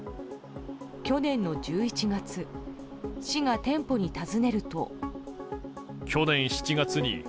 去年の１１月市が店舗に尋ねると。